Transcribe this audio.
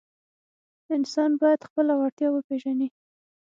انسان باید خپله وړتیا وپیژني.